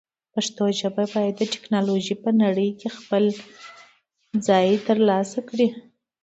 پښتو ژبه باید د ټکنالوژۍ په نړۍ کې خپل ځای ترلاسه کړي.